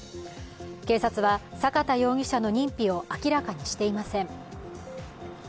警察は、坂田容疑者の認否を明らかにしていません。